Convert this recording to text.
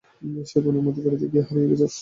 সে বনের মধ্যে বেড়াতে গিয়ে হারিয়ে গেছে।